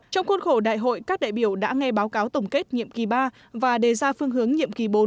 trong khuôn khổ đại hội các đại biểu đã nghe báo cáo tổng kết nhiệm kỳ ba và đề ra phương hướng nhiệm kỳ bốn